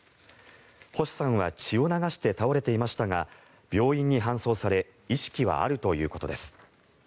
星さんは血を流して倒れていましたが病院に搬送され意識はあるということです。